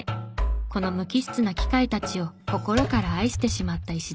この無機質な機械たちを心から愛してしまった石田さん。